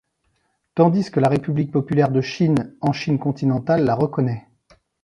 Tandis que la République populaire de Chine, en Chine continentale, la reconnaît.